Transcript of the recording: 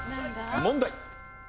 問題。